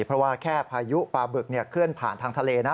เพราะว่าแค่พายุปลาบึกเคลื่อนผ่านทางทะเลนะ